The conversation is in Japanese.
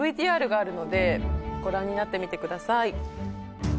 ＶＴＲがあるのでご覧になってみてください